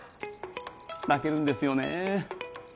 泣けるんですよね